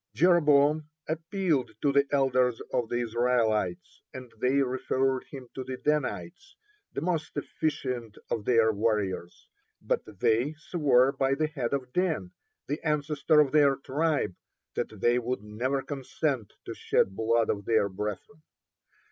Jeroboam appealed to the elders of the Israelites, and they referred him to the Danites, the most efficient of their warriors; but they swore by the head of Dan, the ancestor of their tribe, that they would never consent to shed blood of their brethren.